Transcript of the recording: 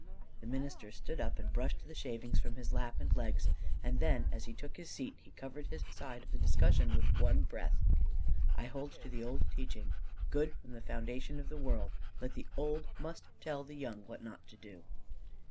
The minister stood up and brushed the shavings from his lap and legs; then as he took his seat he covered his side of the discussion with one breath: "I hold to the old teaching good from the foundation of the world that the old must tell the young what not to do."